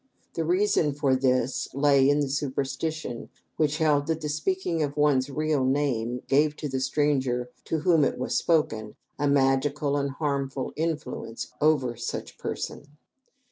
The reason for this lay in the superstition which held that the speaking of one's real name gave to the stranger to whom it was spoken a magical and harmful influence over such person.